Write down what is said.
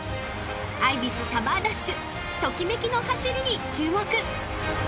［アイビスサマーダッシュトキメキの走りに注目！］